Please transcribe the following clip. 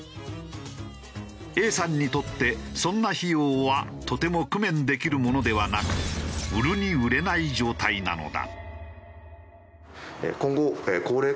Ａさんにとってそんな費用はとても工面できるものではなく売るに売れない状態なのだ。